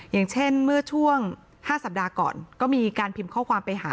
อย่างเช่นเมื่อช่วง๕สัปดาห์ก่อนก็มีการพิมพ์ข้อความไปหา